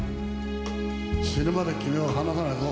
死ぬまで君を離さないぞ。